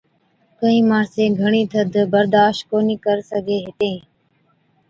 ڪهِين ماڻسين گھڻِي ٿڌ برداشت ڪونهِي ڪر سِگھي هِتين،